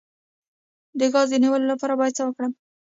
د ګاز د نیولو لپاره باید څه وکړم؟